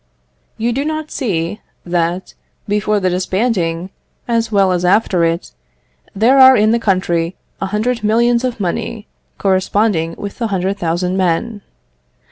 You do not see that, before the disbanding as well as after it, there are in the country a hundred millions of money corresponding with the hundred thousand men.